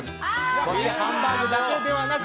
そしてハンバーグだけではなく